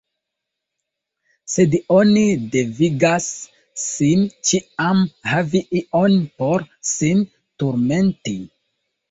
Sed oni devigas sin ĉiam havi ion por sin turmenti!